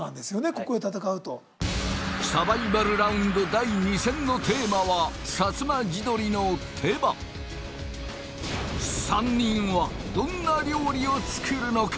ここで戦うとサバイバルラウンド第２戦のテーマはさつま地鶏の手羽３人はどんな料理を作るのか？